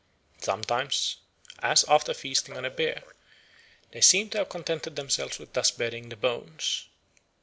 Sometimes, as after feasting on a bear, they seem to have contented themselves with thus burying the bones.